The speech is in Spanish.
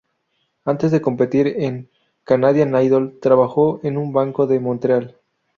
Antes de competir en "Canadian Idol", trabajó en un Banco de Montreal.